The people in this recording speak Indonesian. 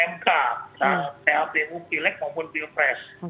nah kpu pilek maupun pilpres